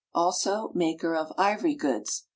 ALSO, MAKER OF IVORY GOODS.